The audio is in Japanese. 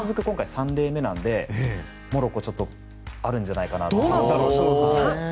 ３例目なのでモロッコちょっとあるんじゃないかなと。